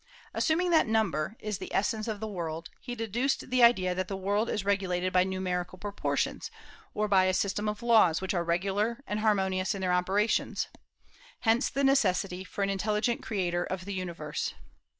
Assuming that number is the essence of the world, he deduced the idea that the world is regulated by numerical proportions, or by a system of laws which are regular and harmonious in their operations. Hence the necessity for an intelligent creator of the universe.